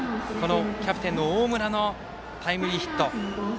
キャプテンの大村のタイムリーヒット。